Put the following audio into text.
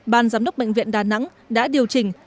ban giám đốc bệnh viện đà nẵng đã điều chỉnh